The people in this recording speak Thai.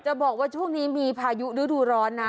บอกว่าช่วงนี้มีพายุฤดูร้อนนะ